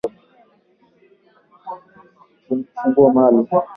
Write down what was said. Upande huu wa nyuma kulikuwa na mlango mmoja wa kuingilia ndani alichomoa funguo maalumu